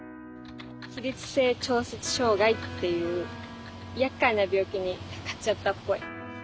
起立性調節障害っていうやっかいな病気にかかっちゃったっぽい。